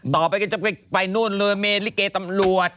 ต่อไปก็จะไปนู่นเลยเมลิเกตำรวจ